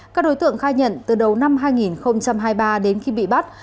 các đối tượng khai nhận từ đầu năm hai nghìn hai mươi ba đến khi bị bắt